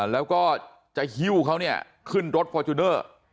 แล้วก็จะหิ้วเขาเนี่ยขึ้นรถฟอร์จูเนอร์